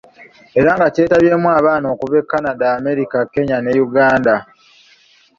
Era nga kyetabyemu abaana okuva e Canada, Amerika, Kenya ne Uganda.